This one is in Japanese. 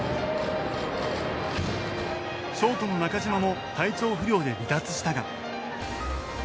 ショートの中島も体調不良で離脱したが。